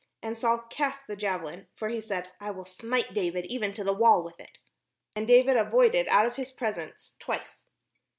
And Saul cast the javelin; for he said, "I will smite David even to the wall with it." And David avoided out of his presence twice.